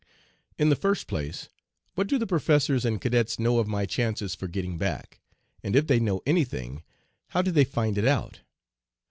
"In the first place, what do the professors and cadets know of my chances for getting back, and if they know any thing, how did they find it out?